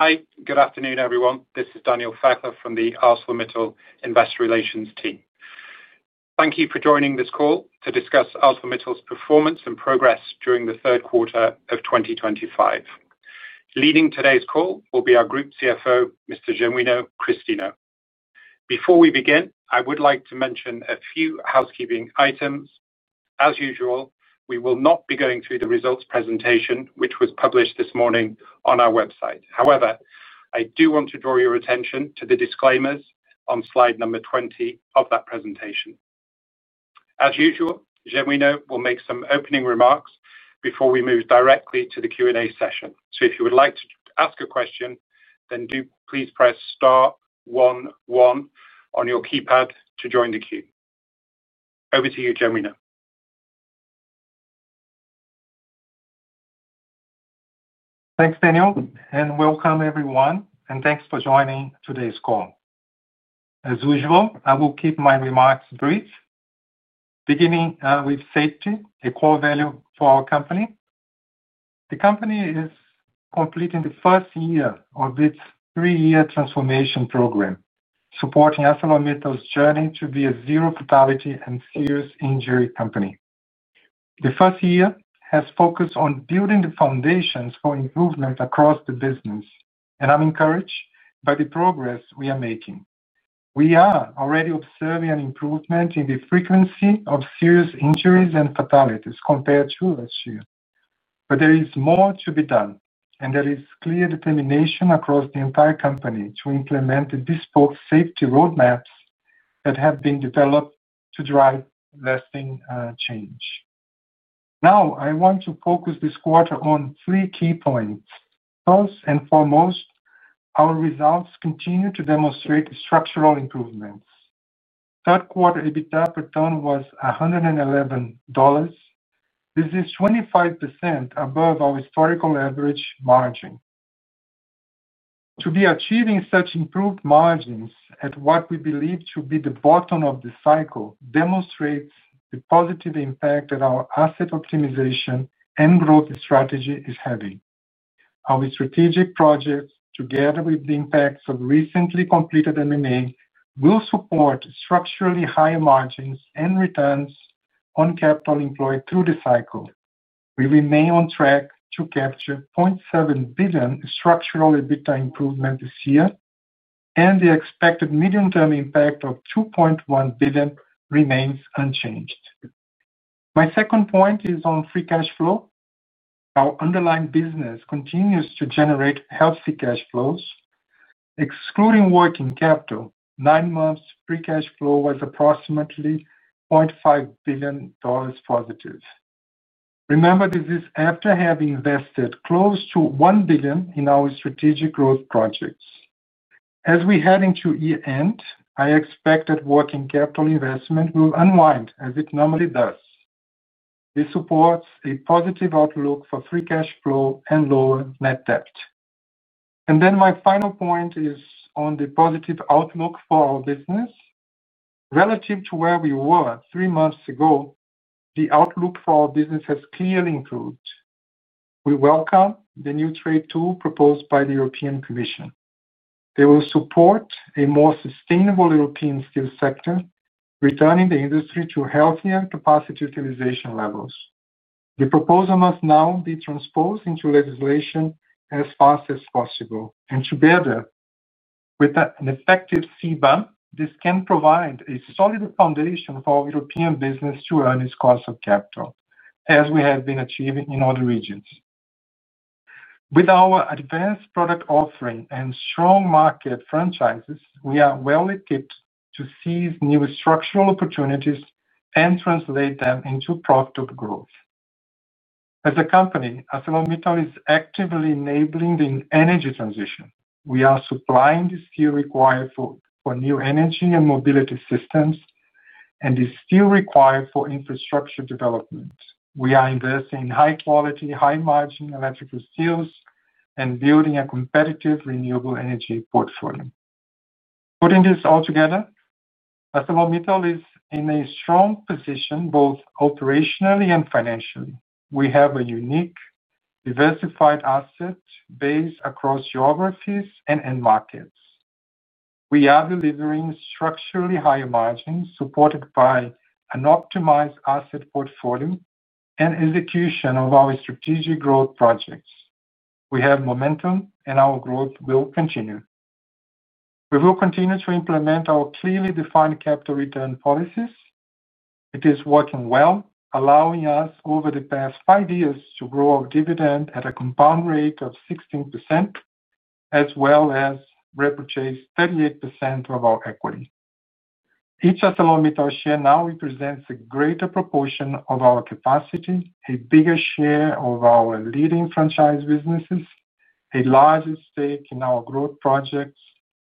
Hi, good afternoon everyone. This is Daniel Fairclough from the ArcelorMittal Investor Relations team. Thank you for joining this call to discuss ArcelorMittal's performance and progress during the third quarter of 2025. Leading today's call will be our Group CFO, Mr. Genuino Christino. Before we begin, I would like to mention a few housekeeping items. As usual, we will not be going through the results presentation, which was published this morning on our website. However, I do want to draw your attention to the disclaimers on slide number 20 of that presentation. As usual, Genuino will make some opening remarks before we move directly to the Q&A session. If you would like to ask a question, then do please press star one one on your keypad to join the queue. Over to you, Genuino. Thanks, Daniel, and welcome everyone, and thanks for joining today's call. As usual, I will keep my remarks brief. Beginning with safety, a core value for our company. The company is completing the first year of its three-year transformation program, supporting ArcelorMittal's journey to be a zero-fatality and serious injury company. The first year has focused on building the foundations for improvement across the business, and I'm encouraged by the progress we are making. We are already observing an improvement in the frequency of serious injuries and fatalities compared to last year. There is more to be done, and there is clear determination across the entire company to implement the bespoke safety roadmaps that have been developed to drive lasting change. Now, I want to focus this quarter on three key points. First and foremost, our results continue to demonstrate structural improvements. Third quarter EBITDA per ton was $111. This is 25% above our historical average margin. To be achieving such improved margins at what we believe to be the bottom of the cycle demonstrates the positive impact that our asset optimization and growth strategy is having. Our strategic projects, together with the impacts of recently completed M&A, will support structurally higher margins and returns on capital employed through the cycle. We remain on track to capture $0.7 billion in structural EBITDA improvement this year, and the expected medium-term impact of $2.1 billion remains unchanged. My second point is on free cash flow. Our underlying business continues to generate healthy cash flows. Excluding working capital, nine months free cash flow was approximately $0.5 billion positive. Remember, this is after having invested close to $1 billion in our strategic growth projects. As we head into year-end, I expect that working capital investment will unwind as it normally does. This supports a positive outlook for free cash flow and lower net debt. My final point is on the positive outlook for our business. Relative to where we were three months ago, the outlook for our business has clearly improved. We welcome the new trade tool proposed by the European Commission. They will support a more sustainable European steel sector, returning the industry to healthier capacity utilization levels. The proposal must now be transposed into legislation as fast as possible. Together with an effective CBAM, this can provide a solid foundation for our European business to earn its cost of capital, as we have been achieving in other regions. With our advanced product offering and strong market franchises, we are well equipped to seize new structural opportunities and translate them into profitable growth. As a company, ArcelorMittal is actively enabling the energy transition. We are supplying the steel required for new energy and mobility systems, and the steel required for infrastructure development. We are investing in high-quality, high-margin electrical steels and building a competitive renewable energy portfolio. Putting this all together, ArcelorMittal is in a strong position both operationally and financially. We have a unique, diversified asset base across geographies and markets. We are delivering structurally higher margins supported by an optimized asset portfolio and execution of our strategic growth projects. We have momentum, and our growth will continue. We will continue to implement our clearly defined capital return policies. It is working well, allowing us over the past five years to grow our dividend at a compound rate of 16%. As well as repurchase 38% of our equity. Each ArcelorMittal share now represents a greater proportion of our capacity, a bigger share of our leading franchise businesses, a larger stake in our growth projects,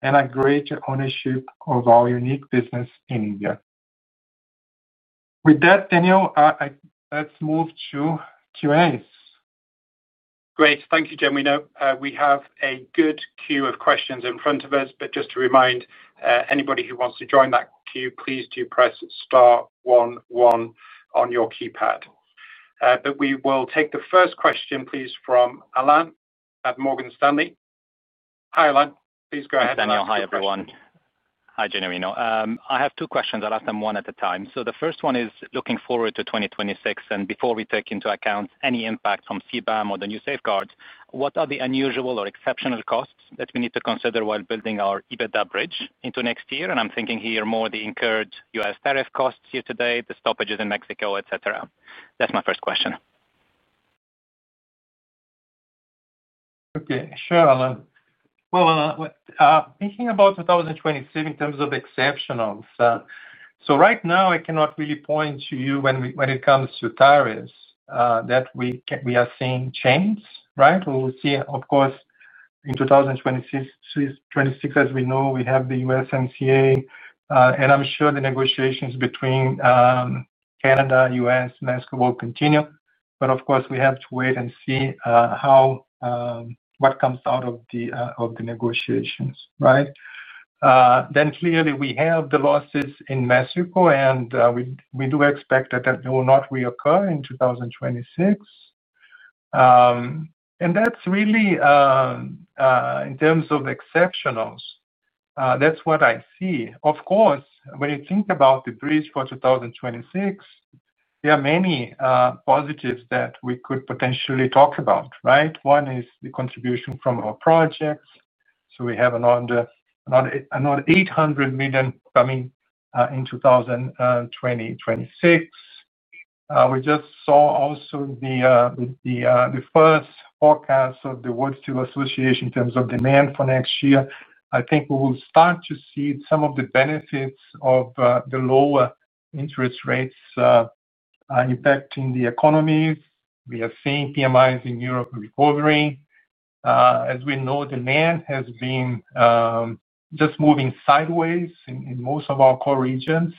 and a greater ownership of our unique business in India. With that, Daniel. Let's move to Q&As. Great. Thank you, Genuino. We have a good queue of questions in front of us, but just to remind anybody who wants to join that queue, please do press star one one on your keypad. We will take the first question, please, from Alain at Morgan Stanley. Hi, Alain. Please go ahead. Hi, Daniel. Hi, everyone. Hi, Genuino. I have two questions. I'll ask them one at a time. The first one is looking forward to 2026, and before we take into account any impact from CBAM or the new safeguards, what are the unusual or exceptional costs that we need to consider while building our EBITDA bridge into next year? I'm thinking here more the incurred U.S. tariff costs here today, the stoppages in Mexico, et cetera. That's my first question. Okay. Sure, Alain. Alain, thinking about 2026 in terms of exceptionals. Right now, I cannot really point to you when it comes to tariffs that we are seeing change, right? We will see, of course, in 2026, as we know, we have the USMCA. I am sure the negotiations between Canada, U.S., Mexico will continue. Of course, we have to wait and see what comes out of the negotiations, right? Clearly, we have the losses in Mexico, and we do expect that they will not reoccur in 2026. That is really, in terms of exceptionals, what I see. Of course, when you think about the bridge for 2026, there are many positives that we could potentially talk about, right? One is the contribution from our projects. We have another $800 million coming in 2026. We just saw also the. First forecast of the World Steel Association in terms of demand for next year. I think we will start to see some of the benefits of the lower interest rates impacting the economies. We are seeing PMIs in Europe recovering. As we know, demand has been just moving sideways in most of our core regions.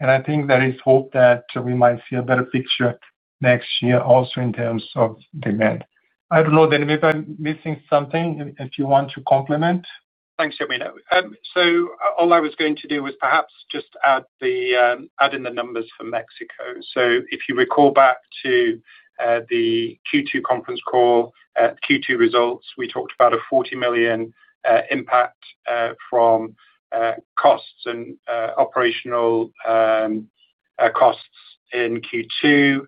I think there is hope that we might see a better picture next year also in terms of demand. I do not know, Daniel, if I am missing something, if you want to complement. Thanks, Genuino. All I was going to do was perhaps just add the numbers for Mexico. If you recall back to the Q2 conference call, Q2 results, we talked about a $40 million impact from costs and operational costs in Q2.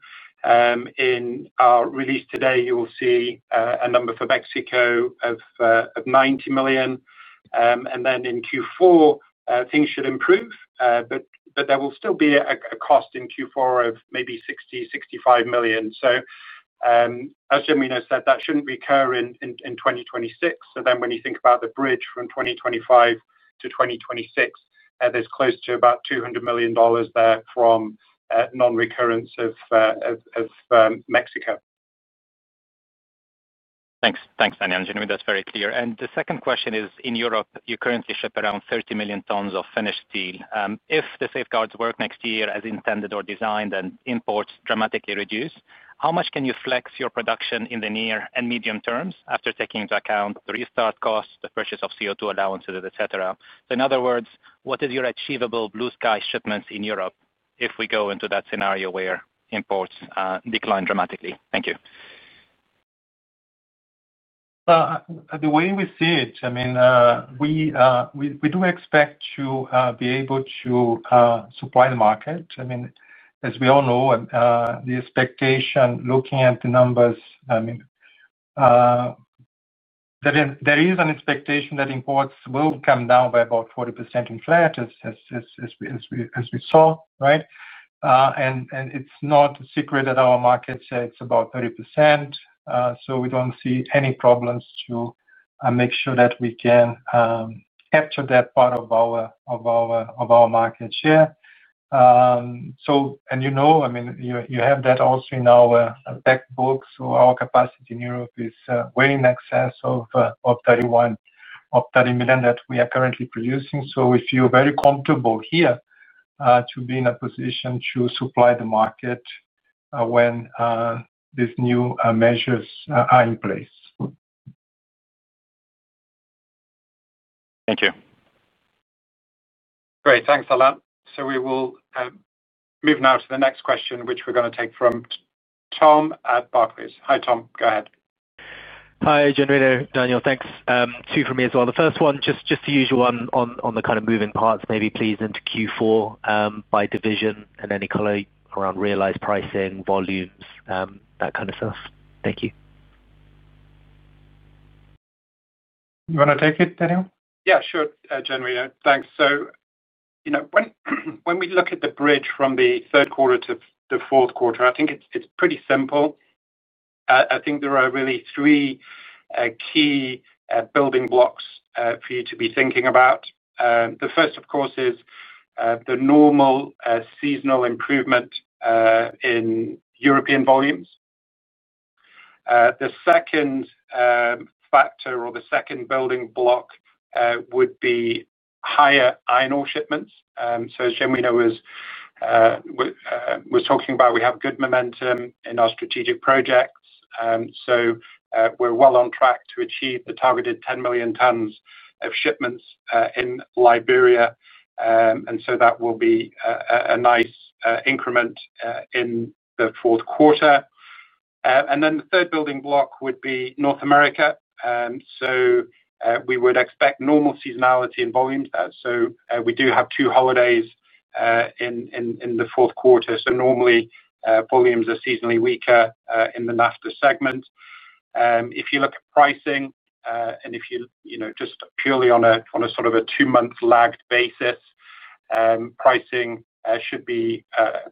In our release today, you will see a number for Mexico of $90 million. In Q4, things should improve, but there will still be a cost in Q4 of maybe $60 million, $65 million. As Genuino said, that should not recur in 2026. When you think about the bridge from 2025 to 2026, there is close to about $200 million there from non-recurrence of Mexico. Thanks, Daniel. Genuino, that's very clear. The second question is, in Europe, you currently ship around 30 million tons of finished steel. If the safeguards work next year as intended or designed and imports dramatically reduce, how much can you flex your production in the near and medium terms after taking into account the restart costs, the purchase of CO2 allowances, et cetera? In other words, what is your achievable blue sky shipments in Europe if we go into that scenario where imports decline dramatically? Thank you. The way we see it, I mean, we do expect to be able to supply the market. I mean, as we all know, the expectation, looking at the numbers, there is an expectation that imports will come down by about 40% in flat, as we saw, right? It's not a secret that our market share is about 30%. We do not see any problems to make sure that we can capture that part of our market share. You know, I mean, you have that also in our backbook. Our capacity in Europe is way in excess of $31 million that we are currently producing. We feel very comfortable here to be in a position to supply the market when these new measures are in place. Thank you. Great. Thanks, Alain. We will move now to the next question, which we're going to take from Tom at Barclays. Hi, Tom. Go ahead. Hi, Genuino, Daniel. Thanks. Two from me as well. The first one, just the usual one on the kind of moving parts, maybe please into Q4 by division and any color around realized pricing, volumes, that kind of stuff. Thank you. You want to take it, Daniel? Yeah, sure, Genuino. Thanks. When we look at the bridge from the third quarter to the fourth quarter, I think it's pretty simple. I think there are really three key building blocks for you to be thinking about. The first, of course, is the normal seasonal improvement in European volumes. The second factor or the second building block would be higher iron ore shipments. As Genuino was talking about, we have good momentum in our strategic projects. We're well on track to achieve the targeted 10 million tons of shipments in Liberia, and that will be a nice increment in the fourth quarter. The third building block would be North America. We would expect normal seasonality in volumes. We do have two holidays in the fourth quarter, so normally, volumes are seasonally weaker in the NAFTA segment. If you look at pricing, and if you just purely on a sort of a two-month lagged basis. Pricing should be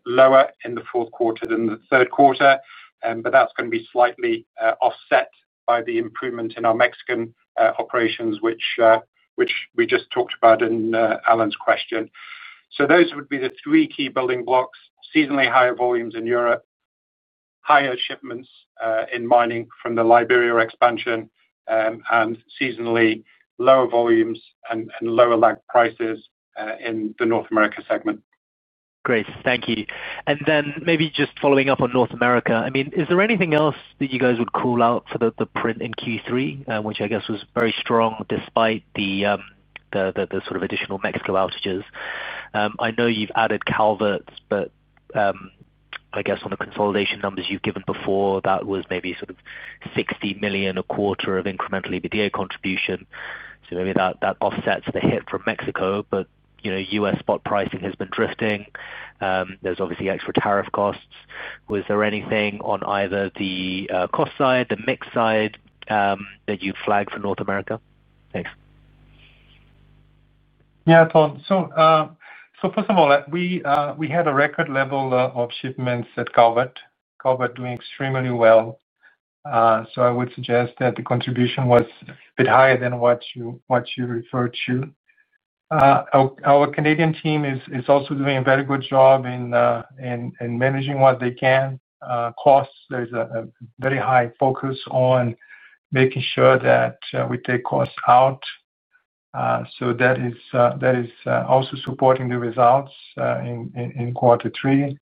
lower in the fourth quarter than the third quarter. That is going to be slightly offset by the improvement in our Mexican operations, which we just talked about in Alain's question. Those would be the three key building blocks: seasonally higher volumes in Europe, higher shipments in mining from the Liberia expansion, and seasonally lower volumes and lower lagged prices in the North America segment. Great. Thank you. Maybe just following up on North America, I mean, is there anything else that you guys would call out for the print in Q3, which I guess was very strong despite the sort of additional Mexico outages? I know you've added Calvert, but I guess on the consolidation numbers you've given before, that was maybe sort of $60 million a quarter of incremental EBITDA contribution. Maybe that offsets the hit from Mexico. U.S. spot pricing has been drifting. There's obviously extra tariff costs. Is there anything on either the cost side, the mix side, that you'd flag for North America? Thanks. Yeah, Tom. First of all, we had a record level of shipments at Calvert. Calvert doing extremely well. I would suggest that the contribution was a bit higher than what you referred to. Our Canadian team is also doing a very good job in managing what they can. Costs, there's a very high focus on making sure that we take costs out. That is also supporting the results in quarter three.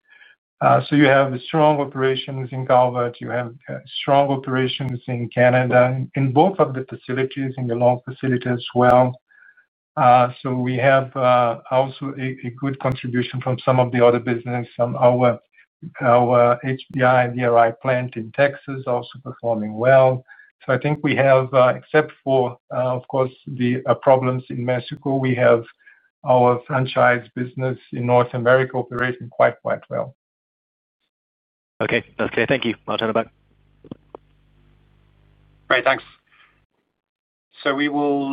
You have strong operations in Calvert. You have strong operations in Canada, in both of the facilities, in the long facility as well. We have also a good contribution from some of the other business. Our HBI and DRI plant in Texas are also performing well. I think we have, except for, of course, the problems in Mexico, we have our franchise business in North America operating quite, quite well. Okay. Okay. Thank you. I'll turn it back. Great. Thanks. We will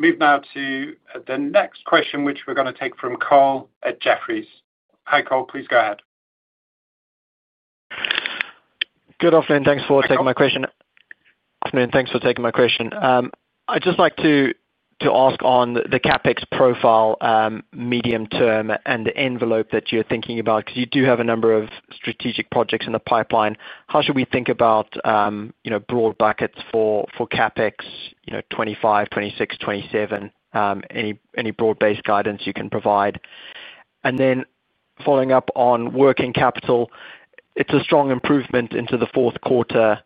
move now to the next question, which we're going to take from Cole at Jefferies. Hi, Cole. Please go ahead. Good afternoon. Thanks for taking my question. I'd just like to ask on the CapEx profile, medium term, and the envelope that you're thinking about, because you do have a number of strategic projects in the pipeline. How should we think about broad buckets for CapEx 2025, 2026, 2027? Any broad-based guidance you can provide? Following up on working capital, it's a strong improvement into the fourth quarter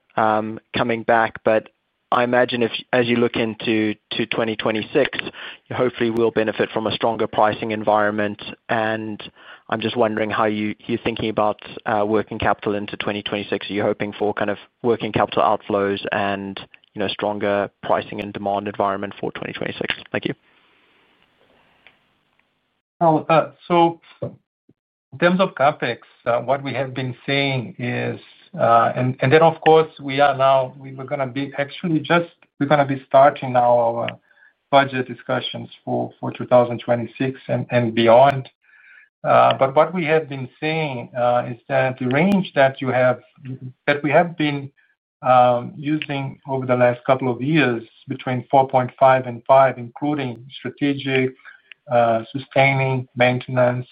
coming back, but I imagine as you look into 2026, you hopefully will benefit from a stronger pricing environment. I'm just wondering how you're thinking about working capital into 2026. Are you hoping for kind of working capital outflows and stronger pricing and demand environment for 2026? Thank you. In terms of CapEx, what we have been seeing is, and then, of course, we are now, we're going to be actually just, we're going to be starting now our budget discussions for 2026 and beyond. What we have been seeing is that the range that we have been using over the last couple of years between $4.5 billion and $5 billion, including strategic, sustaining, maintenance,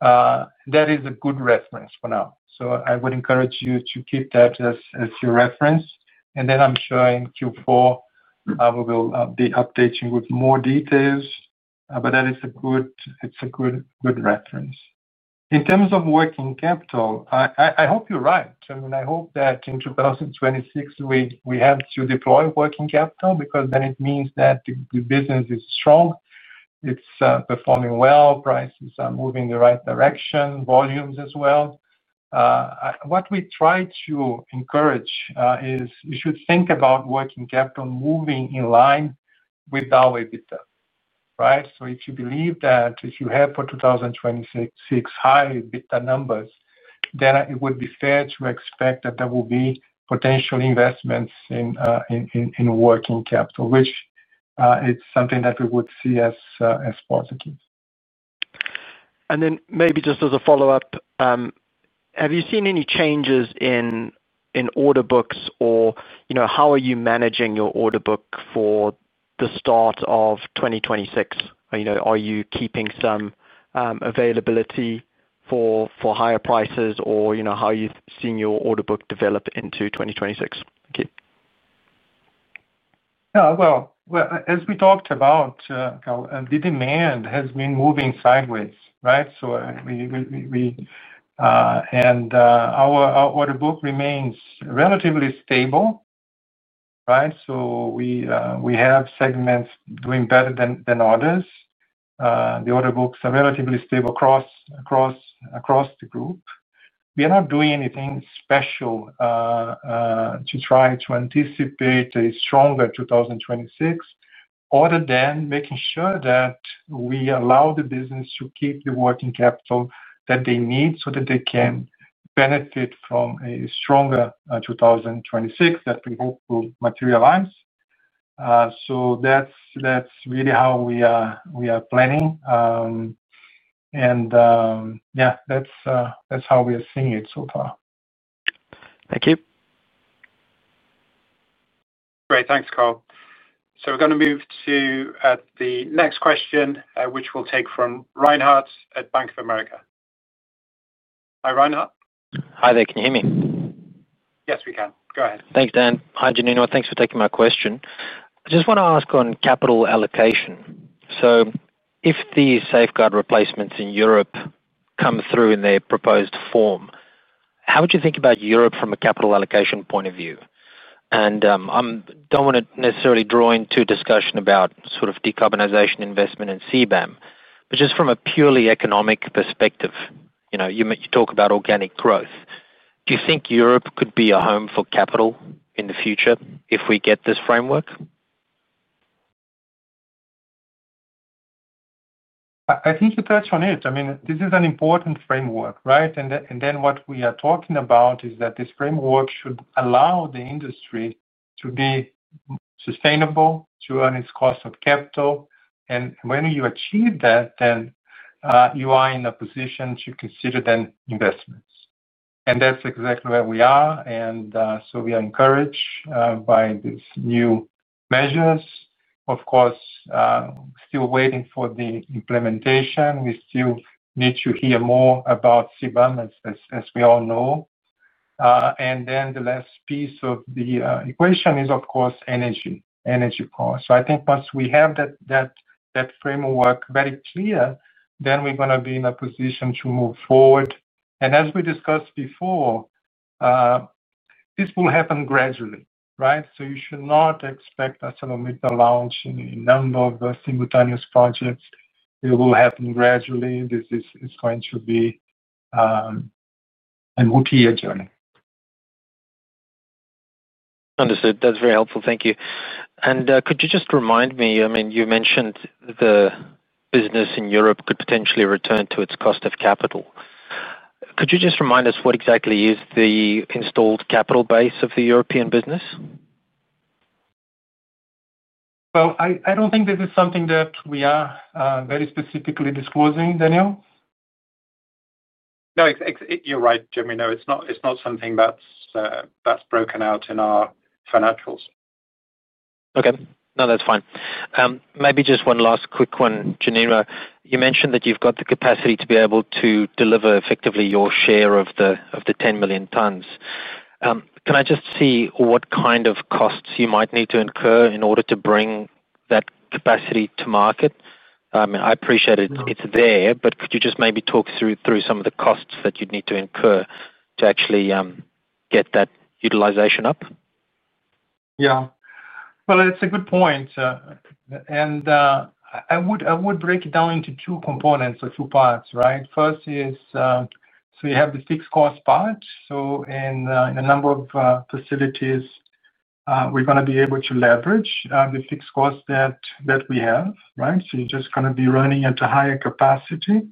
that is a good reference for now. I would encourage you to keep that as your reference. I'm sure in Q4 we will be updating with more details, but that is a good reference. In terms of working capital, I hope you're right. I mean, I hope that in 2026, we have to deploy working capital because then it means that the business is strong. It's performing well, prices are moving in the right direction, volumes as well. What we try to encourage is you should think about working capital moving in line with our EBITDA, right? So if you believe that if you have for 2026 high EBITDA numbers, then it would be fair to expect that there will be potential investments in working capital, which is something that we would see as positive. Maybe just as a follow-up. Have you seen any changes in order books or how are you managing your order book for the start of 2026? Are you keeping some availability for higher prices or how are you seeing your order book develop into 2026? Thank you. Yeah. As we talked about, the demand has been moving sideways, right? Our order book remains relatively stable, right? We have segments doing better than others. The order books are relatively stable across the group. We are not doing anything special to try to anticipate a stronger 2026 other than making sure that we allow the business to keep the working capital that they need so that they can benefit from a stronger 2026 that we hope will materialize. That is really how we are planning. Yeah, that is how we are seeing it so far. Thank you. Great. Thanks, Cole. So we're going to move to the next question, which we'll take from Reinhardt at Bank of America. Hi, Reinhardt. Hi there. Can you hear me? Yes, we can. Go ahead. Thanks, Dan. Hi, Genuino. Thanks for taking my question. I just want to ask on capital allocation. If these safeguard replacements in Europe come through in their proposed form, how would you think about Europe from a capital allocation point of view? I do not want to necessarily draw into discussion about sort of decarbonization investment and CBAM, but just from a purely economic perspective. You talk about organic growth. Do you think Europe could be a home for capital in the future if we get this framework? I think you touched on it. I mean, this is an important framework, right? What we are talking about is that this framework should allow the industry to be sustainable, to earn its cost of capital. When you achieve that, then you are in a position to consider investments. That is exactly where we are. We are encouraged by these new measures. Of course, still waiting for the implementation. We still need to hear more about CBAM, as we all know. The last piece of the equation is, of course, energy. Energy costs. I think once we have that framework very clear, we are going to be in a position to move forward. As we discussed before, this will happen gradually, right? You should not expect a launch in a number of simultaneous projects. It will happen gradually. This is going to be a multi-year journey. Understood. That's very helpful. Thank you. Could you just remind me, I mean, you mentioned the business in Europe could potentially return to its cost of capital. Could you just remind us what exactly is the installed capital base of the European business? I don't think this is something that we are very specifically disclosing, Daniel. No, you're right, Genuino. It's not something that's broken out in our financials. Okay. No, that's fine. Maybe just one last quick one, Genuino. You mentioned that you've got the capacity to be able to deliver effectively your share of the 10 million tons. Can I just see what kind of costs you might need to incur in order to bring that capacity to market? I mean, I appreciate it's there, but could you just maybe talk through some of the costs that you'd need to incur to actually get that utilization up? Yeah. It is a good point. I would break it down into two components or two parts, right? First is, you have the fixed cost part. In a number of facilities, we are going to be able to leverage the fixed cost that we have, right? You are just going to be running at a higher capacity,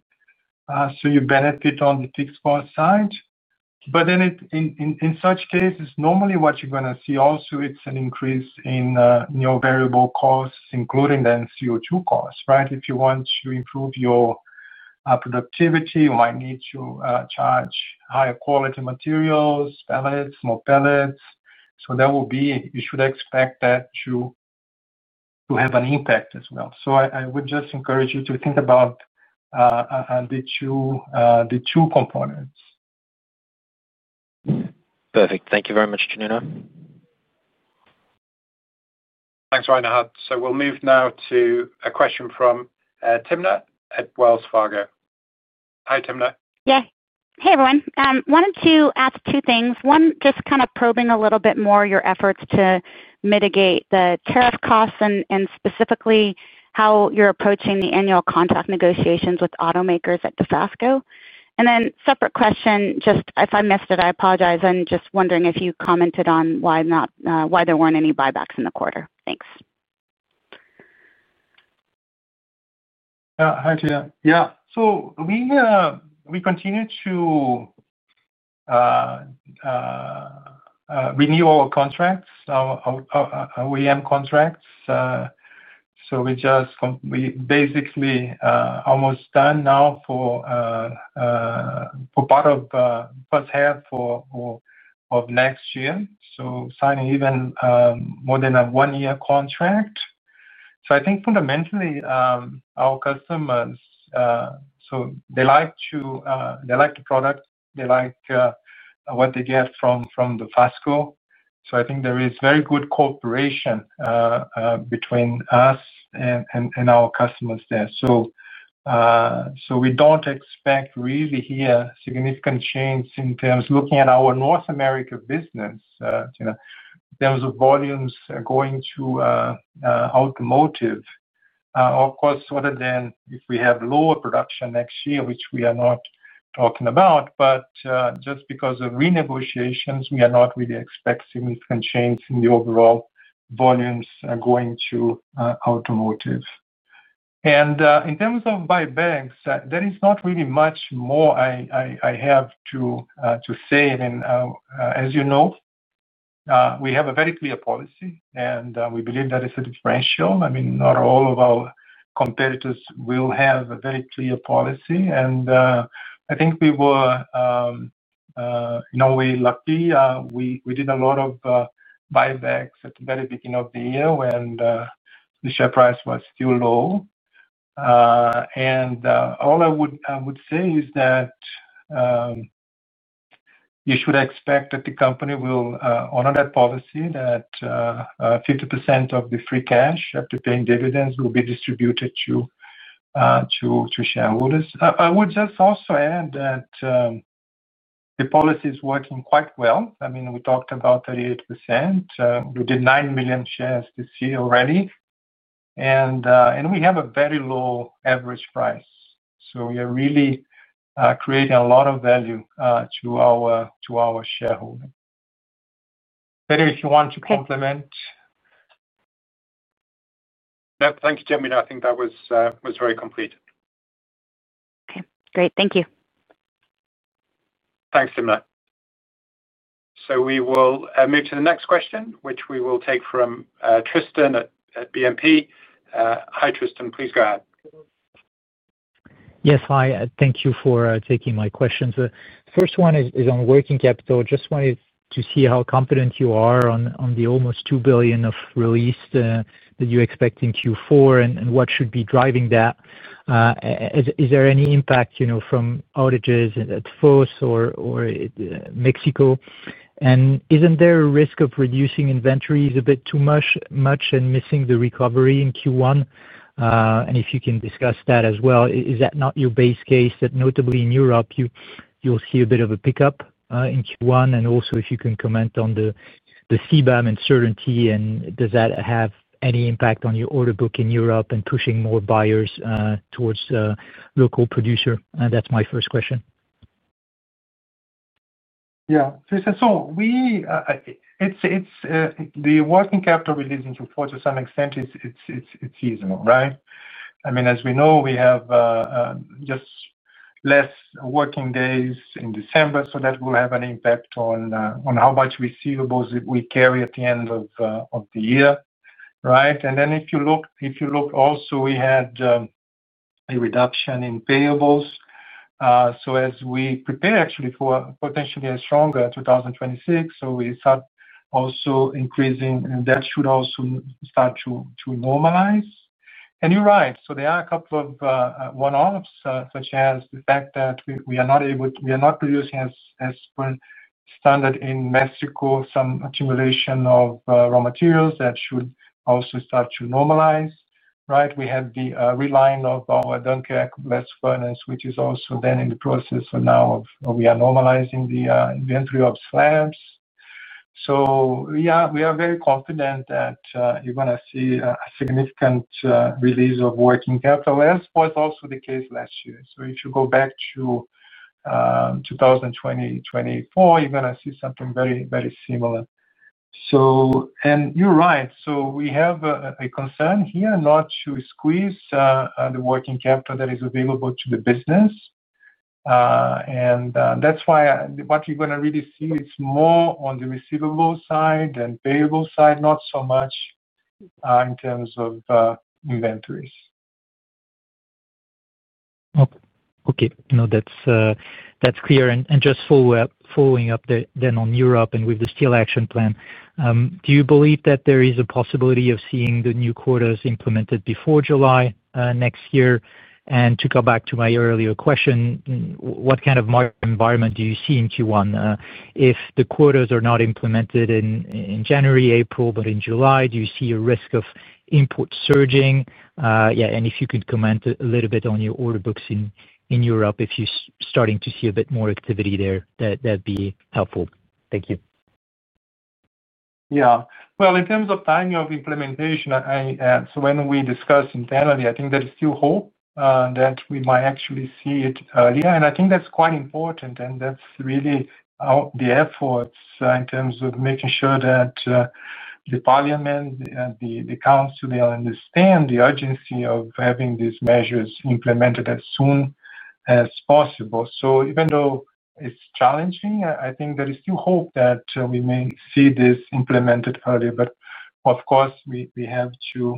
so you benefit on the fixed cost side. In such cases, normally what you are going to see also is an increase in your variable costs, including then CO2 costs, right? If you want to improve your productivity, you might need to charge higher quality materials, pellets, more pellets. There will be, you should expect that to have an impact as well. I would just encourage you to think about the two components. Perfect. Thank you very much, Genuino. Thanks, Reinhardt. We'll move now to a question from Timna at Wells Fargo. Hi, Timna. Yes. Hey, everyone. Wanted to ask two things. One, just kind of probing a little bit more your efforts to mitigate the tariff costs and specifically how you're approaching the annual contract negotiations with automakers at Dofasco. Then separate question, just if I missed it, I apologize. I'm just wondering if you commented on why there were not any buybacks in the quarter. Thanks. Hi, Timna. Yeah. We continue to renew our contracts, our OEM contracts. We just basically are almost done now for part of the first half of next year, so signing even more than a one-year contract. I think fundamentally, our customers, they like the product, they like what they get from Dofasco. I think there is very good cooperation between us and our customers there. We do not expect really here significant change in terms of looking at our North America business in terms of volumes going to automotive. Of course, other than if we have lower production next year, which we are not talking about, but just because of renegotiations, we are not really expecting significant change in the overall volumes going to automotive. In terms of buybacks, there is not really much more I have to say. As you know. We have a very clear policy, and we believe that is a differential. I mean, not all of our competitors will have a very clear policy. I think we were, in a way, lucky. We did a lot of buybacks at the very beginning of the year when the share price was still low. All I would say is that you should expect that the company will honor that policy, that 50% of the free cash after paying dividends will be distributed to shareholders. I would just also add that the policy is working quite well. I mean, we talked about 38%. We did 9 million shares this year already, and we have a very low average price. We are really creating a lot of value to our shareholders. Anyway, if you want to complement. Thank you, Genuino. I think that was very complete. Okay. Great. Thank you. Thanks, Timna. We will move to the next question, which we will take from Tristan at BNP. Hi, Tristan. Please go ahead. Yes, hi. Thank you for taking my questions. The first one is on working capital. Just wanted to see how confident you are on the almost $2 billion released that you expect in Q4 and what should be driving that. Is there any impact from outages at Fos or Mexico? And isn't there a risk of reducing inventories a bit too much and missing the recovery in Q1? If you can discuss that as well, is that not your base case that notably in Europe, you'll see a bit of a pickup in Q1? Also, if you can comment on the CBAM uncertainty, and does that have any impact on your order book in Europe and pushing more buyers towards local producer? That's my first question. Yeah. So the working capital release in Q4 to some extent, it's seasonal, right? I mean, as we know, we have just less working days in December. That will have an impact on how much receivables we carry at the end of the year, right? If you look also, we had a reduction in payables. As we prepare actually for potentially a stronger 2026, we start also increasing, that should also start to normalize. You're right. There are a couple of one-offs, such as the fact that we are not producing as standard in Mexico, some accumulation of raw materials that should also start to normalize, right? We have the reline of our Dunkirk blast furnace, which is also then in the process for now of we are normalizing the inventory of slabs. Yeah, we are very confident that you're going to see a significant release of working capital, as was also the case last year. If you go back to 2024, you're going to see something very, very similar. You're right. We have a concern here not to squeeze the working capital that is available to the business. That's why what you're going to really see is more on the receivable side than the payable side, not so much in terms of inventories. Okay. No, that's clear. Just following up then on Europe and with the steel action plan, do you believe that there is a possibility of seeing the new quarters implemented before July next year? To go back to my earlier question, what kind of market environment do you see in Q1? If the quarters are not implemented in January, April, but in July, do you see a risk of input surging? Yeah. If you could comment a little bit on your order books in Europe, if you're starting to see a bit more activity there, that would be helpful. Thank you. Yeah. In terms of timing of implementation, when we discuss internally, I think there is still hope that we might actually see it earlier. I think that's quite important. That's really the efforts in terms of making sure that the parliament and the council understand the urgency of having these measures implemented as soon as possible. Even though it's challenging, I think there is still hope that we may see this implemented earlier. Of course, we have to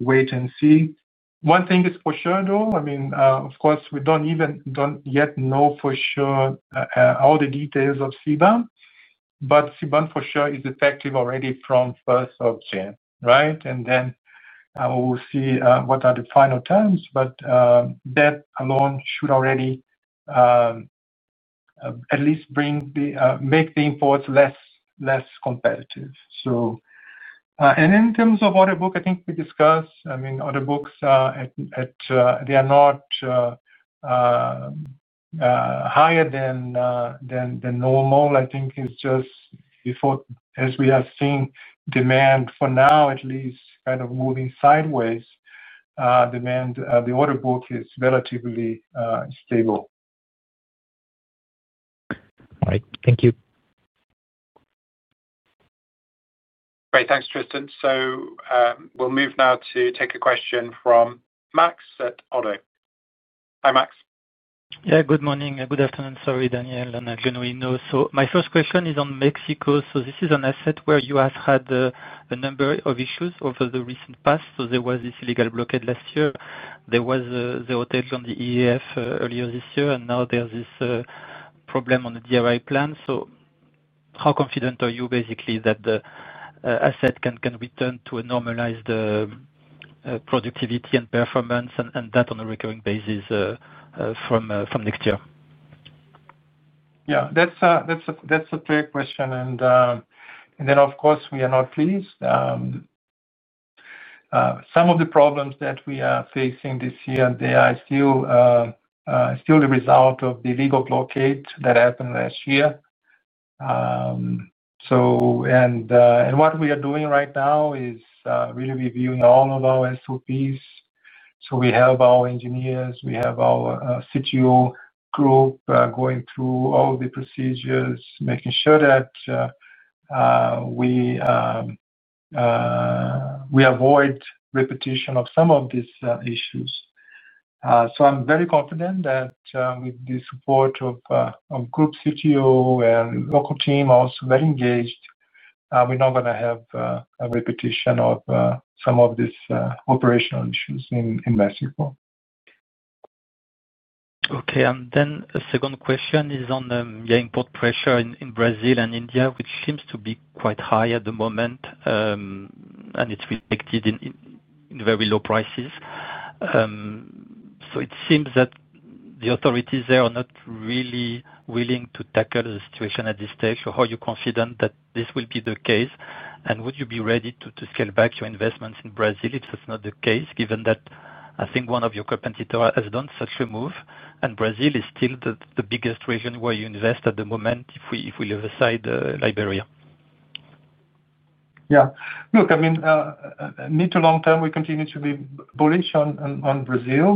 wait and see. One thing is for sure, though. I mean, of course, we don't even yet know for sure all the details of CBAM. CBAM for sure is effective already from 1st of January, right? We'll see what are the final terms. That alone should already at least make the imports less competitive. In terms of order book, I think we discussed, I mean, order books. They are not higher than the normal. I think it's just, as we have seen, demand for now at least kind of moving sideways. The order book is relatively stable. All right. Thank you. Great. Thanks, Tristan. So we'll move now to take a question from Max at ODDO. Hi, Max. Yeah. Good morning. Good afternoon. Sorry, Daniel and Genuino. My first question is on Mexico. This is an asset where you have had a number of issues over the recent past. There was this illegal blockade last year. There was a rotation on the EAF earlier this year, and now there's this problem on the DRI plant. How confident are you basically that the asset can return to a normalized productivity and performance and that on a recurring basis from next year? Yeah. That's a fair question. We are not pleased. Some of the problems that we are facing this year are still a result of the legal blockade that happened last year. What we are doing right now is really reviewing all of our SOPs. We have our engineers, we have our CTO group going through all the procedures, making sure that we avoid repetition of some of these issues. I'm very confident that with the support of Group CTO and the local team also very engaged, we're not going to have a repetition of some of these operational issues in Mexico. Okay. Then the second question is on the import pressure in Brazil and India, which seems to be quite high at the moment. It is reflected in very low prices. It seems that the authorities there are not really willing to tackle the situation at this stage. How are you confident that this will be the case? Would you be ready to scale back your investments in Brazil if that is not the case, given that I think one of your competitors has done such a move? Brazil is still the biggest region where you invest at the moment, if we leave aside Liberia. Yeah. Look, I mean. Mid to long term, we continue to be bullish on Brazil.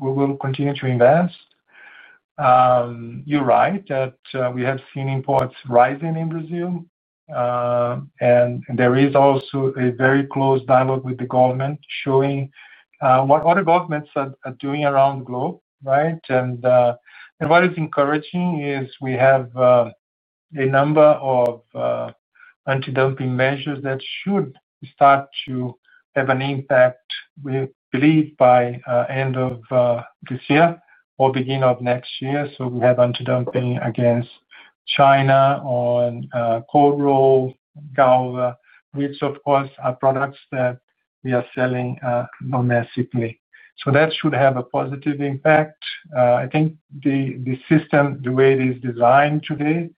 We will continue to invest. You're right that we have seen imports rising in Brazil. There is also a very close dialogue with the government showing what other governments are doing around the globe, right? What is encouraging is we have a number of anti-dumping measures that should start to have an impact, we believe, by the end of this year or beginning of next year. We have anti-dumping against China on Cobra, Galva, which, of course, are products that we are selling domestically. That should have a positive impact. I think the system, the way it is designed today,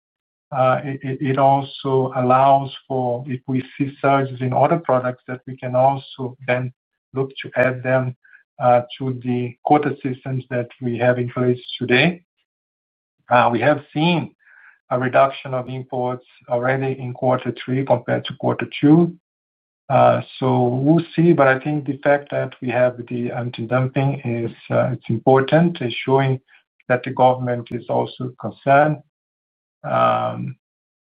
also allows for, if we see surges in other products, that we can also then look to add them to the quota systems that we have in place today. We have seen a reduction of imports already in quarter three compared to quarter two. We will see. I think the fact that we have the anti-dumping, it is important. It is showing that the government is also concerned.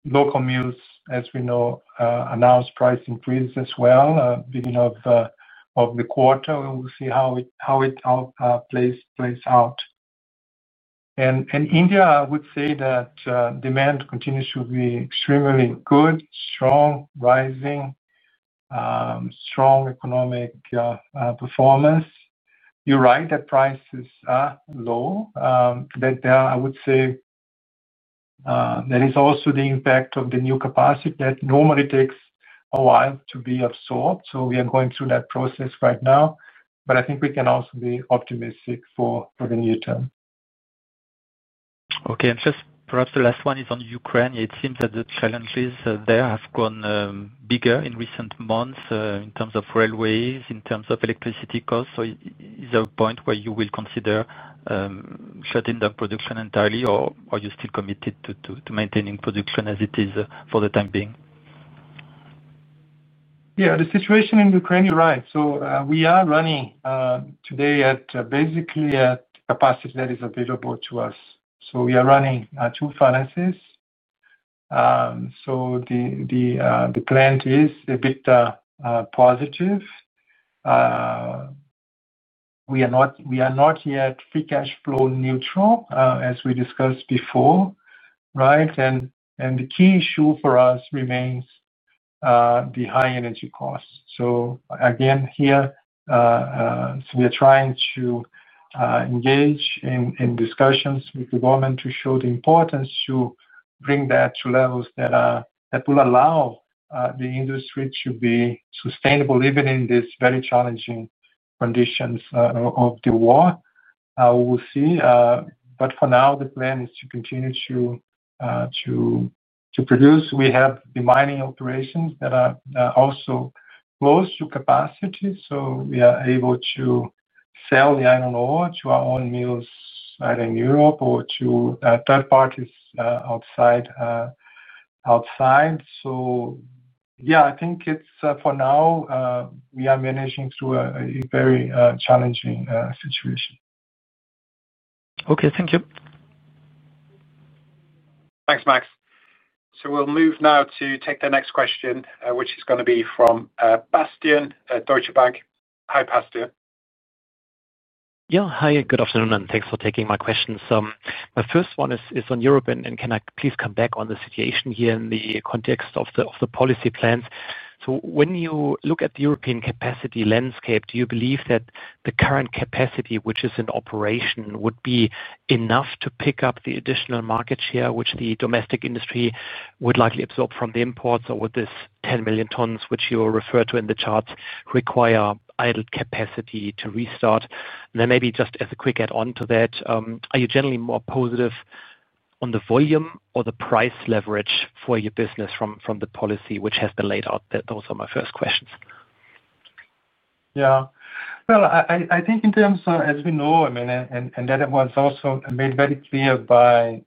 Local mills, as we know, announced price increases as well at the beginning of the quarter. We will see how it plays out. In India, I would say that demand continues to be extremely good, strong, rising. Strong economic performance. You are right that prices are low. I would say that is also the impact of the new capacity that normally takes a while to be absorbed. We are going through that process right now. I think we can also be optimistic for the near term. Okay. Just perhaps the last one is on Ukraine. It seems that the challenges there have gotten bigger in recent months in terms of railways, in terms of electricity costs. Is there a point where you will consider shutting down production entirely, or are you still committed to maintaining production as it is for the time being? Yeah. The situation in Ukraine, you're right. We are running today at basically at capacity that is available to us. We are running two furnaces. The plant is a bit positive. We are not yet free cash flow neutral, as we discussed before, right? The key issue for us remains the high energy costs. Again, here, we are trying to engage in discussions with the government to show the importance to bring that to levels that will allow the industry to be sustainable, even in these very challenging conditions of the war. We will see. For now, the plan is to continue to produce. We have the mining operations that are also close to capacity. We are able to sell iron ore to our own mills either in Europe or to third parties outside. Yeah, I think for now. We are managing through a very challenging situation. Okay. Thank you. Thanks, Max. So we'll move now to take the next question, which is going to be from Bastian at Deutsche Bank. Hi, Bastian. Yeah. Hi. Good afternoon. Thanks for taking my questions. My first one is on Europe, and can I please come back on the situation here in the context of the policy plans? When you look at the European capacity landscape, do you believe that the current capacity, which is in operation, would be enough to pick up the additional market share, which the domestic industry would likely absorb from the imports? Would this 10 million tons, which you refer to in the charts, require idle capacity to restart? Maybe just as a quick add-on to that, are you generally more positive on the volume or the price leverage for your business from the policy, which has been laid out? Those are my first questions. Yeah. I think in terms of, as we know, I mean, that was also made very clear by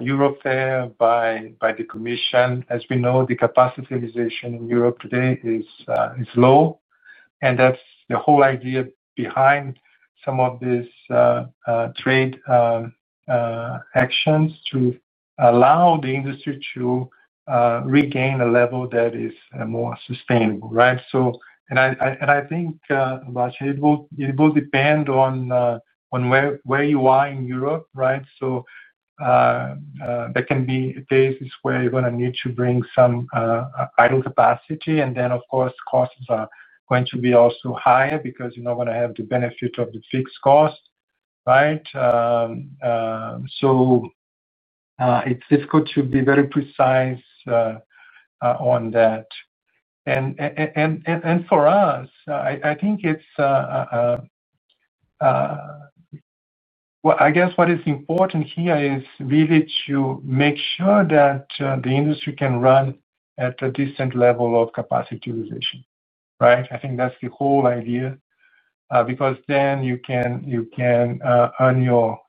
Euro Fair, by the Commission. As we know, the capacity utilization in Europe today is low. That is the whole idea behind some of these trade actions to allow the industry to regain a level that is more sustainable, right? I think it will depend on where you are in Europe, right? There can be cases where you're going to need to bring some idle capacity. Then, of course, costs are going to be also higher because you're not going to have the benefit of the fixed cost, right? It's difficult to be very precise on that. For us, I think it's. I guess what is important here is really to make sure that the industry can run at a decent level of capacity utilization, right? I think that's the whole idea. Because then you can earn your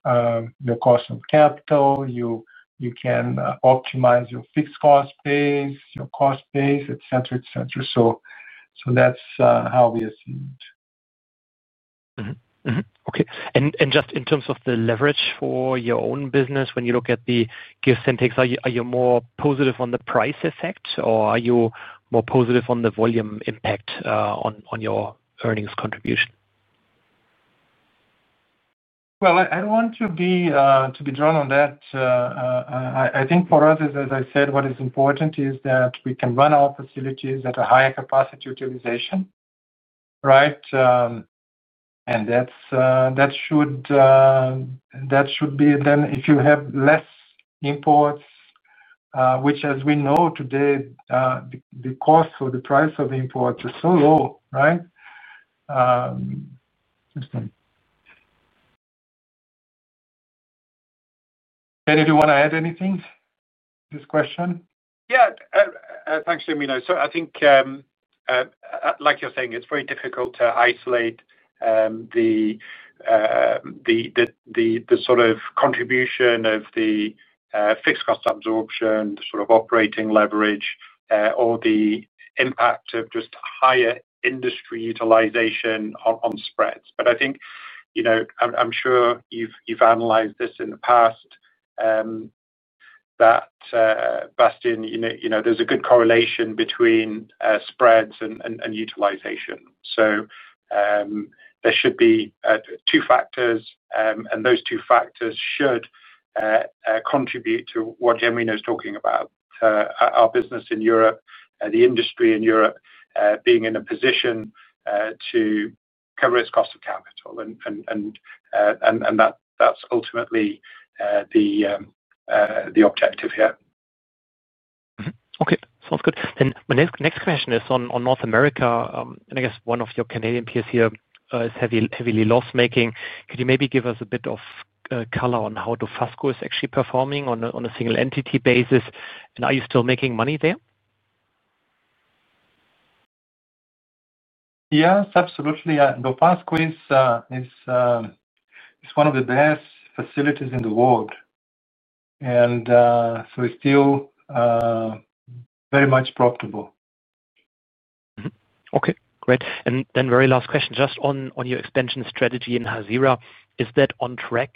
cost of capital, you can optimize your fixed cost base, your cost base, etc., etc. So that's how we are seeing it. Okay. Just in terms of the leverage for your own business, when you look at the give and takes, are you more positive on the price effect, or are you more positive on the volume impact on your earnings contribution? I do not want to be drawn on that. I think for us, as I said, what is important is that we can run our facilities at a higher capacity utilization, right? That should be then if you have less imports, which, as we know today, the cost or the price of imports is so low, right? Do you want to add anything to this question? Yeah. Thanks, Genuino. I think, like you're saying, it's very difficult to isolate the sort of contribution of the fixed cost absorption, the sort of operating leverage, or the impact of just higher industry utilization on spreads. I think, I'm sure you've analyzed this in the past, that, Bastian, there's a good correlation between spreads and utilization. There should be two factors, and those two factors should contribute to what Genuino is talking about. Our business in Europe, the industry in Europe, being in a position to cover its cost of capital. That's ultimately the objective here. Okay. Sounds good. My next question is on North America. I guess one of your Canadian peers here is heavily loss-making. Could you maybe give us a bit of color on how Dofasco is actually performing on a single entity basis? Are you still making money there? Yes, absolutely. Dofasco is one of the best facilities in the world. It is still very much profitable. Okay. Great. Very last question, just on your expansion strategy in Hazira, is that on track?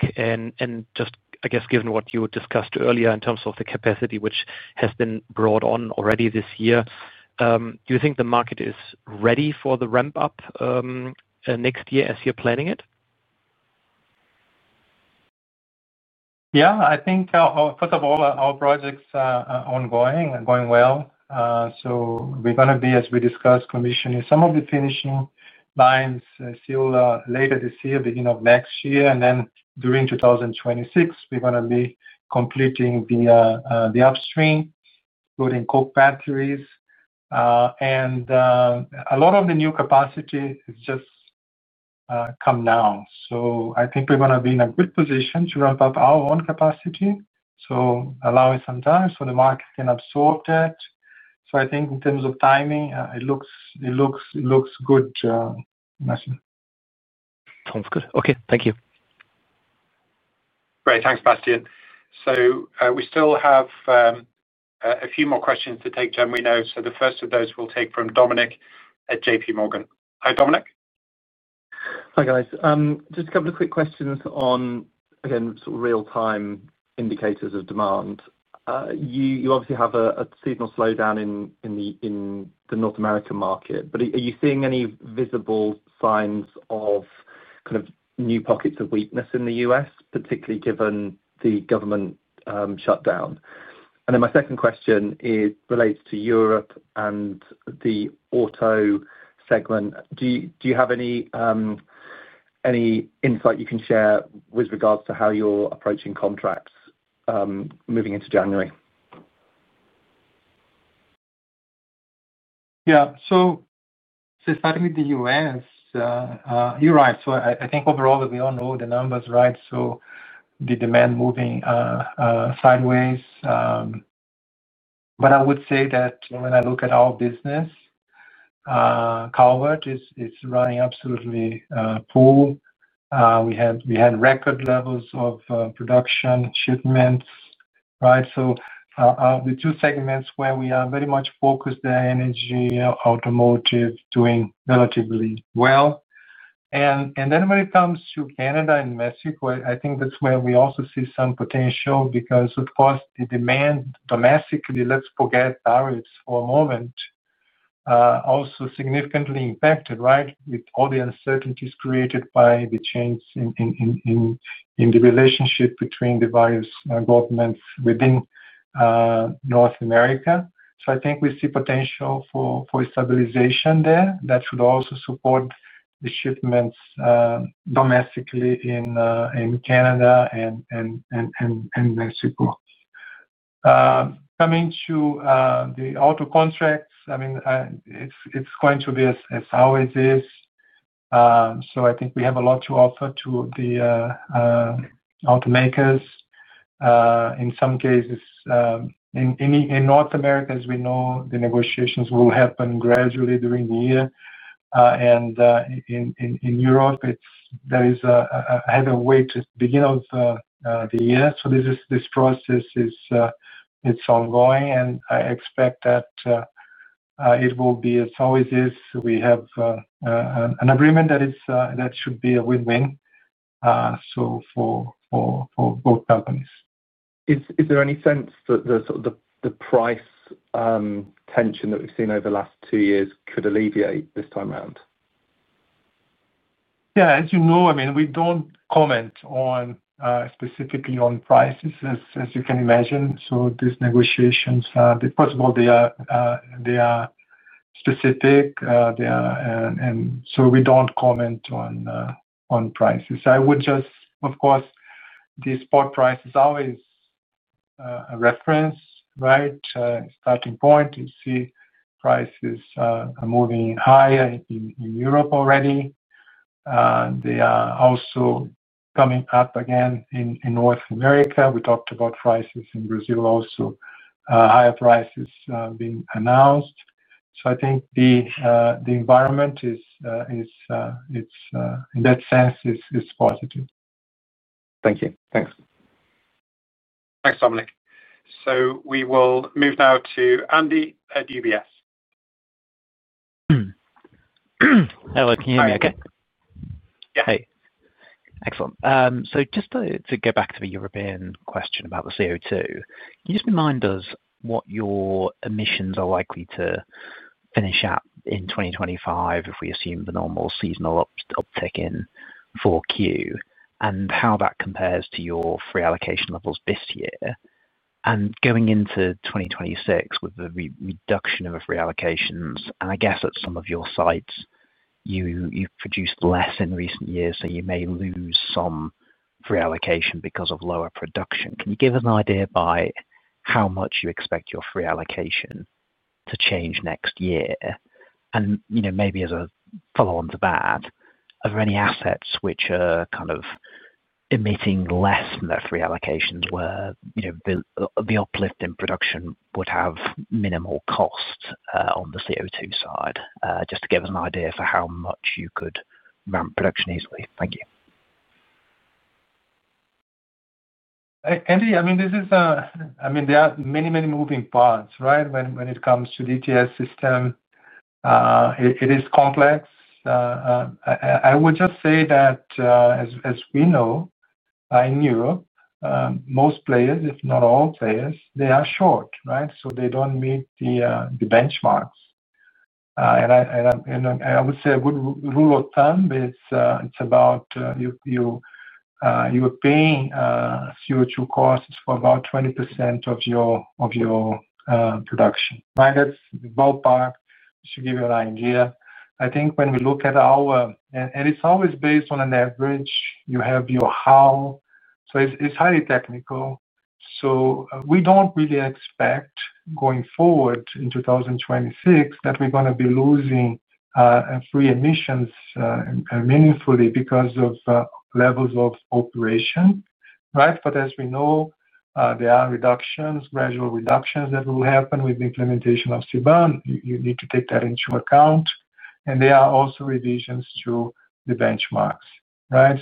Just, I guess, given what you discussed earlier in terms of the capacity, which has been brought on already this year, do you think the market is ready for the ramp-up next year as you're planning it? Yeah. I think, first of all, our projects are ongoing and going well. We are going to be, as we discussed, commissioning some of the finishing lines later this year, beginning of next year. During 2026, we are going to be completing the upstream, including coke batteries. A lot of the new capacity has just come now. I think we are going to be in a good position to ramp up our own capacity, allowing some time so the market can absorb that. I think in terms of timing, it looks good. Sounds good. Okay. Thank you. Great. Thanks, Bastian. We still have a few more questions to take, Genuino. The first of those we'll take from Dominic at JPMorgan. Hi, Dominic. Hi, guys. Just a couple of quick questions on, again, sort of real-time indicators of demand. You obviously have a seasonal slowdown in the North American market. Are you seeing any visible signs of kind of new pockets of weakness in the U.S., particularly given the government shutdown? My second question relates to Europe and the auto segment. Do you have any insight you can share with regards to how you're approaching contracts moving into January? Yeah. Starting with the U.S., you're right. I think overall, as we all know, the numbers are right. The demand is moving sideways. I would say that when I look at our business, Calvert is running absolutely full. We had record levels of production, shipments, right? The two segments where we are very much focused are energy and automotive, doing relatively well. When it comes to Canada and Mexico, I think that's where we also see some potential because, of course, the demand domestically, let's forget tariffs for a moment, also significantly impacted, right, with all the uncertainties created by the change in the relationship between the various governments within North America. I think we see potential for stabilization there that should also support the shipments domestically in Canada and Mexico. Coming to the auto contracts, I mean, it's going to be as always is. I think we have a lot to offer to the automakers. In some cases, in North America, as we know, the negotiations will happen gradually during the year. In Europe, there is a heavy weight at the beginning of the year. This process is ongoing, and I expect that it will be, as always is, we have an agreement that should be a win-win for both companies. Is there any sense that the sort of the price tension that we've seen over the last two years could alleviate this time around? Yeah. As you know, I mean, we don't comment specifically on prices, as you can imagine. These negotiations, first of all, they are specific. We don't comment on prices. I would just, of course, the spot price is always a reference, right? Starting point, you see prices are moving higher in Europe already. They are also coming up again in North America. We talked about prices in Brazil also. Higher prices have been announced. I think the environment in that sense is positive. Thank you. Thanks. Thanks, Dominic. We will move now to Andy at UBS. Hello. Can you hear me okay? Yeah. Excellent. Just to go back to the European question about the CO2, can you just remind us what your emissions are likely to finish at in 2025 if we assume the normal seasonal uptick in Q4 and how that compares to your free allocation levels this year? Going into 2026 with the reduction of free allocations, and I guess at some of your sites, you've produced less in recent years, so you may lose some free allocation because of lower production. Can you give us an idea by how much you expect your free allocation to change next year? Maybe as a follow-on to that, are there any assets which are kind of emitting less than their free allocations where the uplift in production would have minimal costs on the CO2 side? Just to give us an idea for how much you could ramp production easily. Thank you. Andy, I mean, there are many, many moving parts, right, when it comes to the ETS system. It is complex. I would just say that. As we know, in Europe, most players, if not all players, they are short, right? So they do not meet the benchmarks. I would say a good rule of thumb is you are paying CO2 costs for about 20% of your production, right? That is the ballpark. It should give you an idea. I think when we look at our, and it is always based on an average, you have your how. It is highly technical. We do not really expect going forward in 2026 that we are going to be losing free emissions meaningfully because of levels of operation, right? As we know, there are reductions, gradual reductions that will happen with the implementation of CBAM. You need to take that into account. There are also revisions to the benchmarks, right?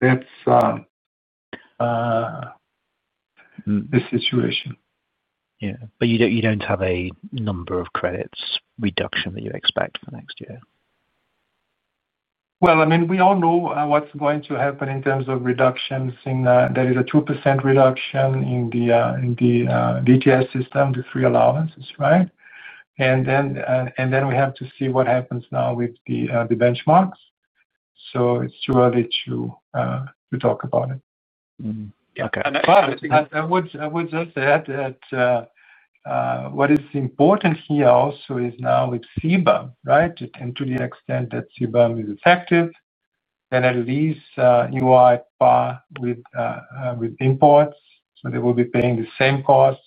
That is the situation. Yeah. You don't have a number of credits reduction that you expect for next year? I mean, we all know what's going to happen in terms of reductions in. There is a 2% reduction in the ETS system, the free allowances, right? And then we have to see what happens now with the benchmarks. So it's too early to. Talk about it. Okay. I would just add that what is important here also is now with CBAM, right? To the extent that CBAM is effective, then at least you are at par with imports. So they will be paying the same costs,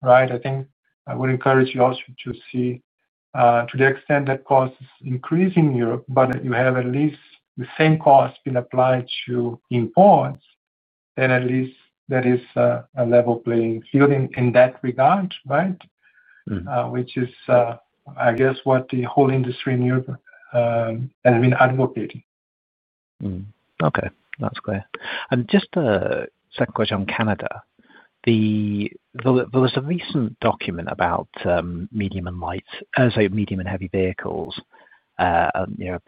right? I think I would encourage you also to see, to the extent that cost is increasing in Europe, but you have at least the same costs being applied to imports, then at least there is a level playing field in that regard, right? Which is, I guess, what the whole industry in Europe has been advocating. Okay. That's clear. Just a second question on Canada. There was a recent document about medium and heavy vehicles, a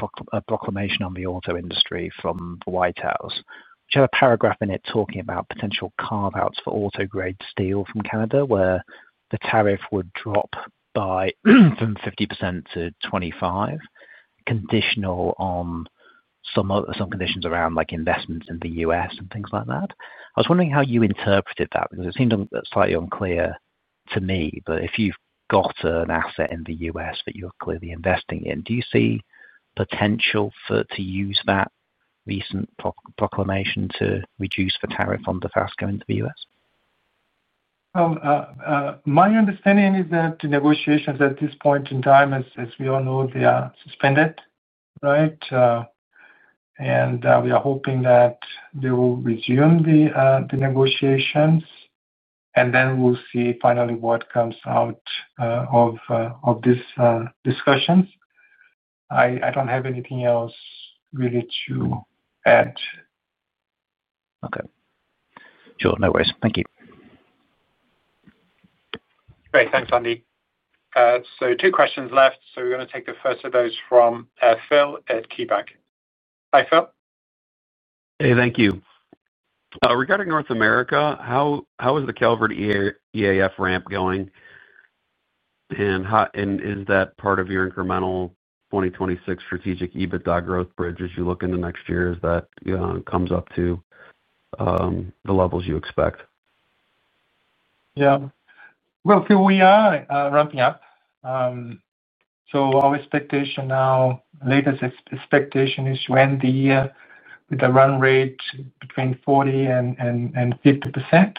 proclamation on the auto industry from the White House, which had a paragraph in it talking about potential carve-outs for auto-grade steel from Canada where the tariff would drop from 50% to 25%, conditional on some conditions around investments in the U.S. and things like that. I was wondering how you interpreted that because it seemed slightly unclear to me. If you've got an asset in the U.S. that you're clearly investing in, do you see potential to use that recent proclamation to reduce the tariff on Dofasco into the U.S.? My understanding is that the negotiations at this point in time, as we all know, they are suspended, right? We are hoping that they will resume the negotiations. We will see finally what comes out of these discussions. I do not have anything else really to add. Okay. Sure. No worries. Thank you. Great. Thanks, Andy. Two questions left. We're going to take the first of those from Phil at KeyBanc. Hi, Phil. Hey, thank you. Regarding North America, how is the Calvert EAF ramp going? Is that part of your incremental 2026 strategic EBITDA growth bridge as you look into next year as that comes up to the levels you expect? Yeah. Phil, we are ramping up. Our expectation now, latest expectation, is to end the year with a run rate between 40% and 50%.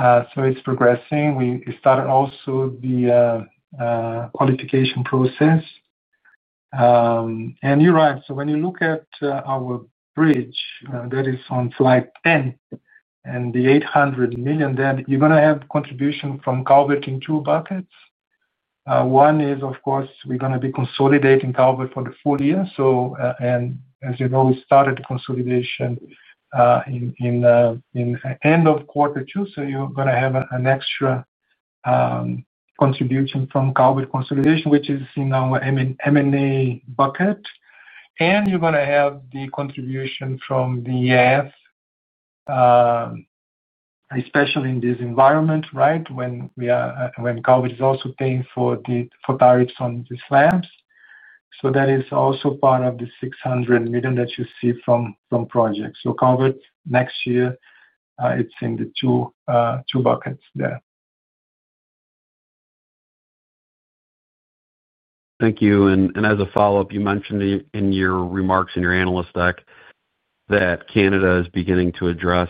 It is progressing. We started also the qualification process. You are right. When you look at our bridge, that is on slide 10, and the $800 million, you are going to have contribution from Calvert in two buckets. One is, of course, we are going to be consolidating Calvert for the full year. As you know, we started the consolidation at the end of quarter two. You are going to have an extra contribution from Calvert consolidation, which is in our M&A bucket. You are going to have the contribution from the EAF, especially in this environment, right, when Calvert is also paying for tariffs on these slabs. That is also part of the $600 million that you see from projects. Calvert, next year, it's in the two buckets there. Thank you. As a follow-up, you mentioned in your remarks and your analyst deck that Canada is beginning to address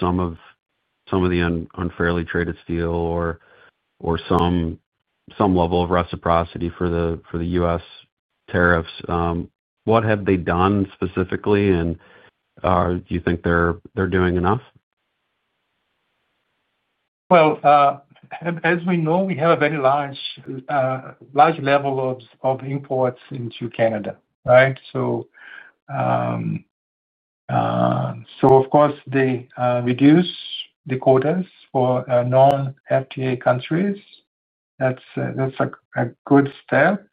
some of the unfairly traded steel or some level of reciprocity for the U.S. tariffs. What have they done specifically? Do you think they're doing enough? As we know, we have a very large level of imports into Canada, right? Of course, they reduce the quotas for non-FTA countries. That's a good step,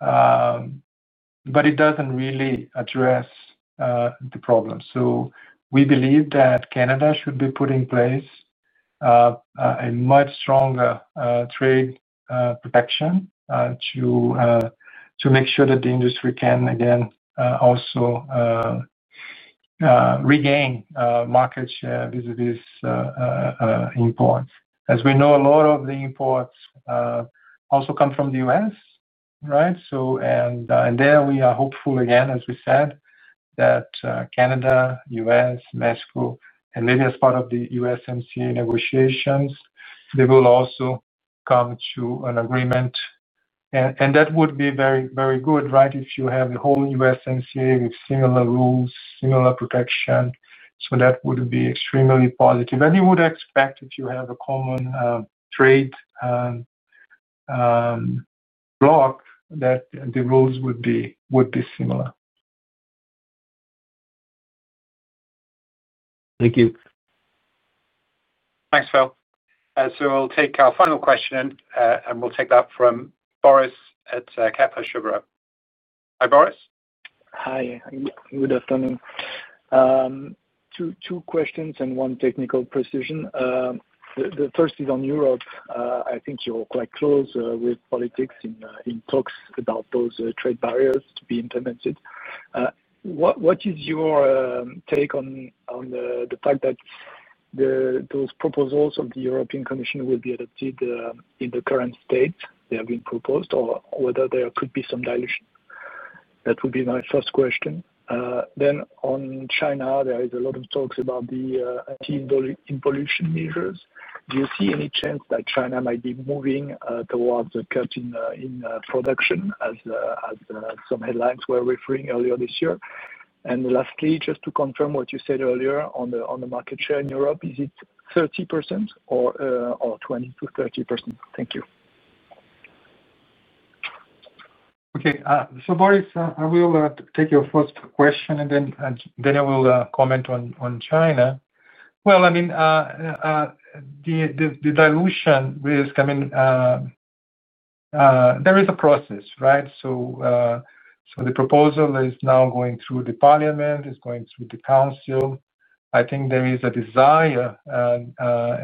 but it doesn't really address the problem. We believe that Canada should be putting in place a much stronger trade protection to make sure that the industry can, again, also regain market share vis-à-vis imports. As we know, a lot of the imports also come from the U.S., right? We are hopeful, again, as we said, that Canada, U.S., Mexico, and maybe as part of the USMCA negotiations, they will also come to an agreement. That would be very good, right, if you have the whole USMCA with similar rules, similar protection. That would be extremely positive, and you would expect if you have a common trade block that the rules would be similar. Thank you. Thanks, Phil. We'll take our final question, and we'll take that from Boris at Kepler Cheuvreux. Hi, Boris. Hi. Good afternoon. Two questions and one technical precision. The first is on Europe. I think you're quite close with politics in talks about those trade barriers to be implemented. What is your take on the fact that those proposals of the European Commission will be adopted in the current state they have been proposed, or whether there could be some dilution? That would be my first question. On China, there is a lot of talks about the anti-pollution measures. Do you see any chance that China might be moving towards a cut in production as some headlines were referring earlier this year? Lastly, just to confirm what you said earlier on the market share in Europe, is it 30% or 20%-30%? Thank you. Okay. Boris, I will take your first question, and Daniel will comment on China. I mean, the dilution is coming. There is a process, right? The proposal is now going through the Parliament. It is going through the Council. I think there is a desire,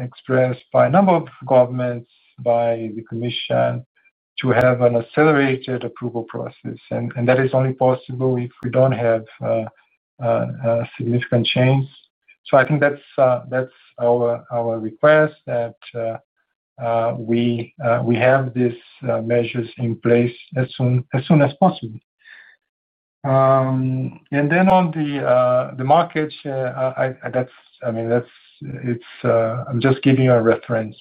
expressed by a number of governments, by the Commission, to have an accelerated approval process. That is only possible if we do not have significant change. I think that is our request, that we have these measures in place as soon as possible. On the market, I mean, I am just giving you a reference.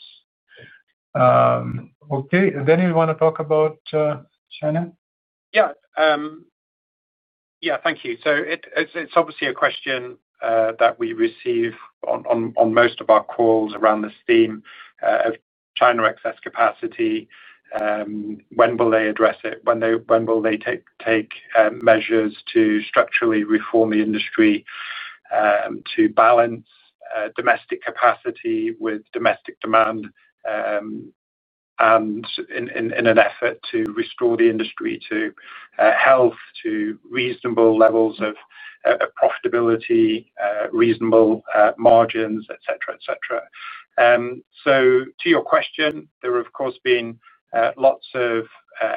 Okay. Do you want to talk about China? Yeah. Yeah. Thank you. It is obviously a question that we receive on most of our calls around this theme of China excess capacity. When will they address it? When will they take measures to structurally reform the industry, to balance domestic capacity with domestic demand, in an effort to restore the industry to health, to reasonable levels of profitability, reasonable margins, etc., etc.? To your question, there have, of course, been lots of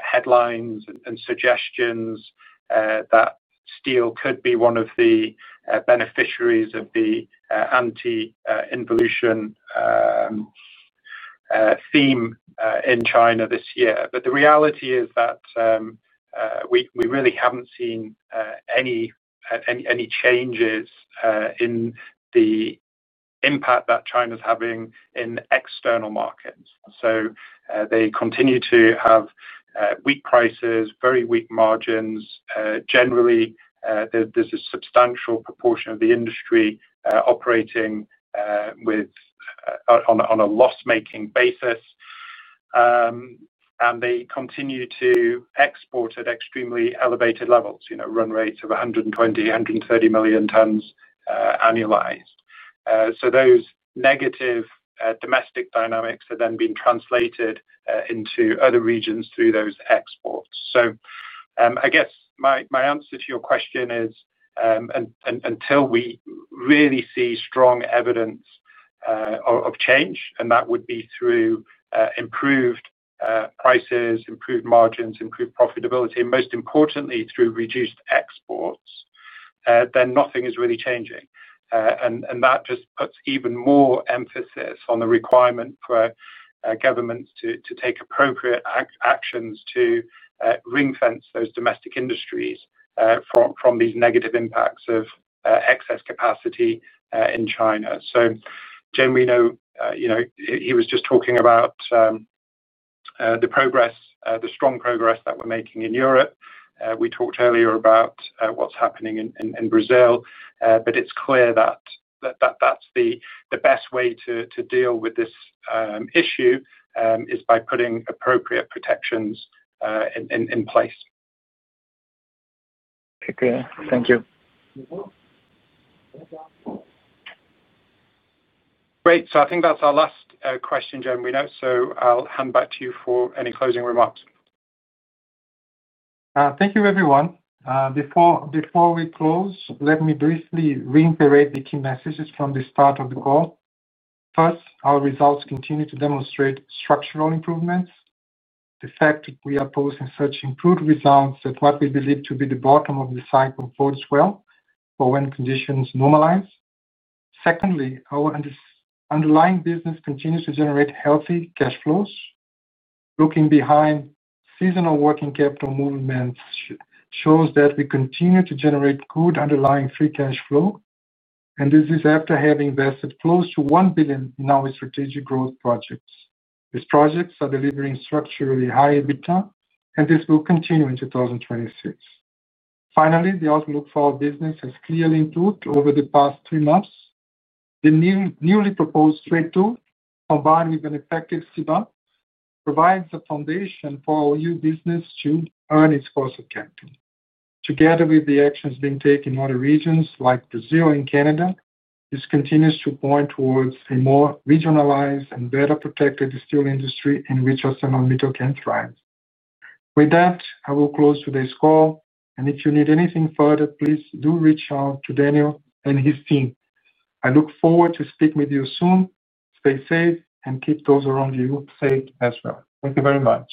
headlines and suggestions that steel could be one of the beneficiaries of the anti-pollution theme in China this year. The reality is that we really have not seen any changes in the impact that China is having in external markets. They continue to have weak prices, very weak margins. Generally, there is a substantial proportion of the industry operating on a loss-making basis. They continue to export at extremely elevated levels, run rates of 120 million tons, 130 million tons annualized. Those negative domestic dynamics have then been translated into other regions through those exports. I guess my answer to your question is, until we really see strong evidence of change, and that would be through improved prices, improved margins, improved profitability, and most importantly, through reduced exports, nothing is really changing. That just puts even more emphasis on the requirement for governments to take appropriate actions to ring-fence those domestic industries from these negative impacts of excess capacity in China. Genuino was just talking about the strong progress that we are making in Europe. We talked earlier about what is happening in Brazil. It is clear that the best way to deal with this issue is by putting appropriate protections in place. Okay. Thank you. Great. I think that's our last question, Genuino. I'll hand back to you for any closing remarks. Thank you, everyone. Before we close, let me briefly reiterate the key messages from the start of the call. First, our results continue to demonstrate structural improvements. The fact that we are posting such improved results at what we believe to be the bottom of the cycle for this, well, for when conditions normalize. Secondly, our underlying business continues to generate healthy cash flows. Looking behind seasonal working capital movements shows that we continue to generate good underlying free cash flow. This is after having invested close to $1 billion in our strategic growth projects. These projects are delivering structurally high EBITDA, and this will continue in 2026. Finally, the outlook for our business has clearly improved over the past three months. The newly proposed trade deal, combined with an effective CBAM, provides a foundation for our new business to earn its course of capital. Together with the actions being taken in other regions like Brazil and Canada, this continues to point towards a more regionalized and better protected steel industry in which our semi-metal can thrive. With that, I will close today's call. If you need anything further, please do reach out to Daniel and his team. I look forward to speaking with you soon. Stay safe and keep those around you safe as well. Thank you very much.